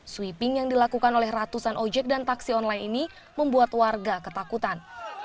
sweeping yang dilakukan oleh ratusan ojek dan taksi online ini membuat warga ketakutan